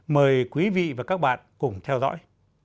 mời quý vị và các bạn cùng theo dõi